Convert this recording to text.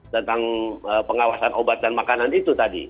tentang pengawasan obat dan makanan itu tadi